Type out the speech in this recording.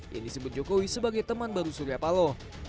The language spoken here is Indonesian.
yang disebut jokowi sebagai teman baru surya paloh